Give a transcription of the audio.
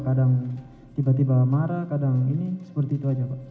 kadang tiba tiba marah kadang ini seperti itu aja pak